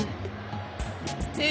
え？